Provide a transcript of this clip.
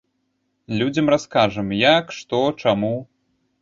Людзям раскажам, як, што, чаму.